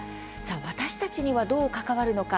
私たちには、どう関わるのか。